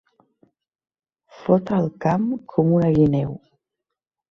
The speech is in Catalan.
Fotre el camp com una guineu.